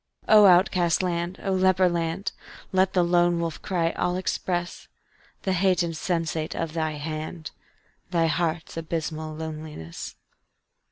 _O outcast land! O leper land! Let the lone wolf cry all express The hate insensate of thy hand, Thy heart's abysmal loneliness.